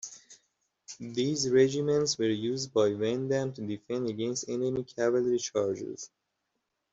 These regiments were used by Vandamme to defend against enemy cavalry charges.